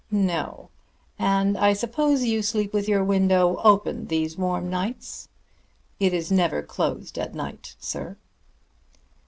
"No. And I suppose you sleep with your window open, these warm nights." "It is never closed at night, sir."